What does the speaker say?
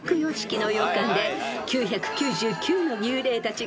［９９９の幽霊たちがすむ館］